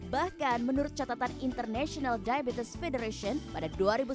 bahkan menurut catatan international diabetes federation pada dua ribu sembilan belas